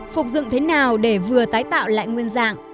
phục dựng thế nào để vừa tái tạo lại nguyên dạng